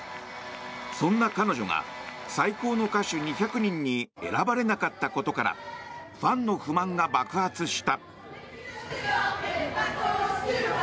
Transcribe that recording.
そんな彼女が最高の歌手２００人に選ばれなかったことからファンの不満が爆発した。